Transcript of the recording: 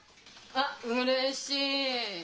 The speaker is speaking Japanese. あっうれしい！